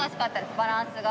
バランスが。